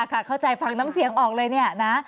ค่ะเข้าใจเพิ่งฟังน้ำเสียงออกเลยนะ